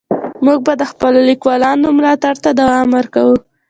موږ به د خپلو لیکوالانو ملاتړ ته دوام ورکوو.